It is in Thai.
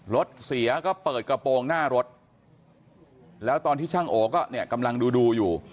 รถเสียก็เปิดกระโปรงหน้ารถแล้วตอนที่ช่างโอก็เนี่ยกำลังดูดูอยู่